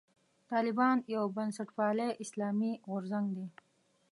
طالبان یو بنسټپالی اسلامي غورځنګ دی.